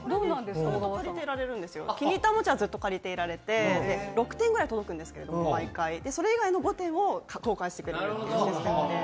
気に入ったおもちゃはずっと借りていられて毎回６点ぐらい届くんですけど、それ以外の５点を交換してくれるシステムで。